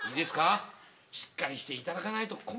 しっかりしていただかないと困るんですよ。